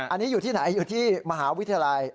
อันนี้อยู่ที่ไหนอยู่ที่มหาวิทยาลัย